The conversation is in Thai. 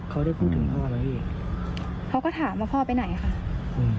เขาได้พูดถึงพ่อไหมพี่เขาก็ถามว่าพ่อไปไหนค่ะอืม